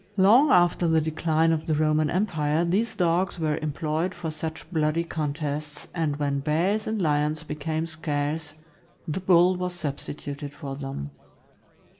Long after the decline of the Roman Em pire these dogs were employed for such bloody contests, THE GREAT DANE ( GERMAN DOGGE ). 533 and when bears and lions became scarce, the bull was sub stituted for them.